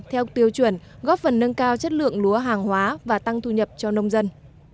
theo tiêu chuẩn góp phần nâng cao chất lượng lúa hàng hóa và tăng thu nhập cho nông dân